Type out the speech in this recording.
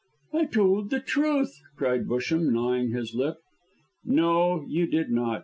"I told the truth," cried Busham, gnawing his lip. "No, you did not.